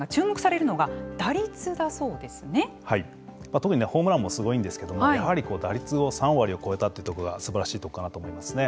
特にホームランもすごいんですけどもやはり打率を３割を超えたというとこがすばらしいとこかなと思いますね。